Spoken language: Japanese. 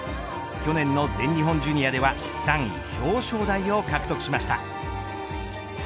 去年の全日本ジュニアでは３位表彰台を獲得しました。